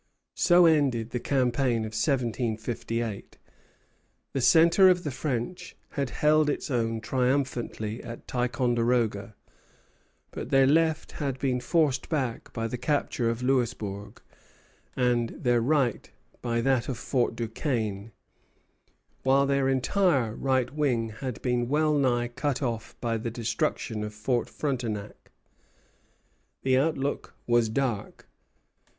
So ended the campaign of 1758. The centre of the French had held its own triumphantly at Ticonderoga; but their left had been forced back by the capture of Louisbourg, and their right by that of Fort Duquesne, while their entire right wing had been well nigh cut off by the destruction of Fort Frontenac. The outlook was dark.